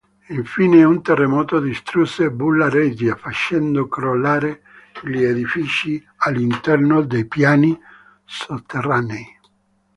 Infine, un terremoto distrusse "Bulla Regia", facendo crollare gli edifici all'interno dei piani sotterranei.